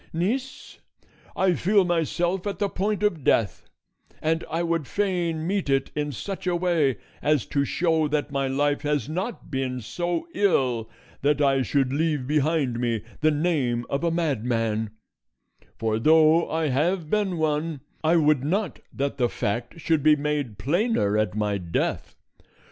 Niece, I feel myself at the point of death, and I would fain meet it in such a way as to show that my life has not been so ill that I should leave behind me the name of a madman; for though I have been one, I would not that the fact should be made plainer at my death.